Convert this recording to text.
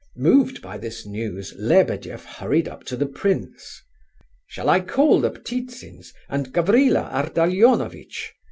Moved by this news, Lebedeff hurried up to the prince. "Shall I call the Ptitsins, and Gavrila Ardalionovitch?